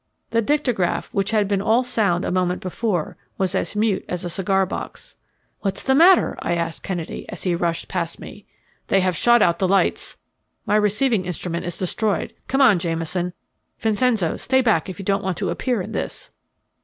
The dictagraph, which had been all sound a moment before, was as mute as a cigar box. "What's the matter?" I asked Kennedy, as he rushed past me. "They have shot out the lights. My receiving instrument is destroyed. Come on, Jameson; Vincenzo, stay back if you don't want to appear in this."